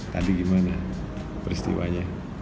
tadi gimana peristiwanya